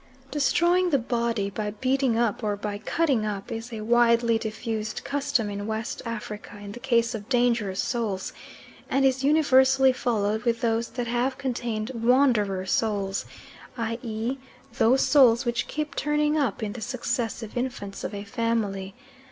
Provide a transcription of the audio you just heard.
Destroying the body by beating up, or by cutting up, is a widely diffused custom in West Africa in the case of dangerous souls, and is universally followed with those that have contained wanderer souls, i.e. those souls which keep turning up in the successive infants of a family.